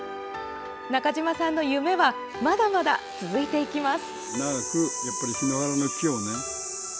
中島さんの夢はまだまだ続いていきます。